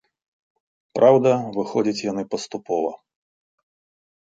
Праўда, выходзяць яны паступова.